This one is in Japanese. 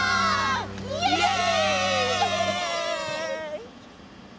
「イエーイ！」